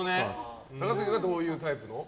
高杉君はどういうタイプの？